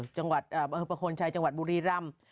จังหวัดภพโคนชายบูรีรำ